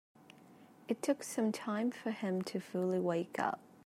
It took some time for him to fully wake up.